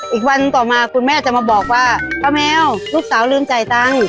อีกวันต่อมาคุณแม่จะมาบอกว่าป้าแมวลูกสาวลืมจ่ายตังค์